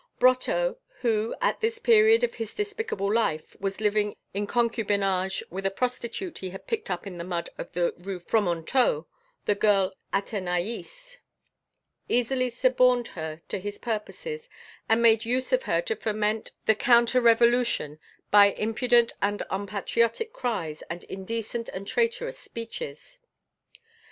"Brotteaux, who, at this period of his despicable life, was living in concubinage with a prostitute he had picked up in the mud of the Rue Fromenteau, the girl Athenaïs, easily suborned her to his purposes and made use of her to foment the counterrevolution by impudent and unpatriotic cries and indecent and traitorous speeches.